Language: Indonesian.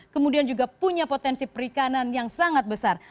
kemudian juga punya potensi perikanan yang sangat besar